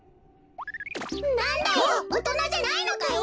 なんだよおとなじゃないのかよ！